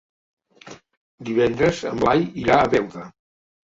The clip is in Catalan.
Divendres en Blai irà a Beuda.